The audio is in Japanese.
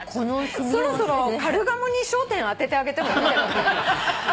そろそろカルガモに焦点当ててあげてもいいんじゃない？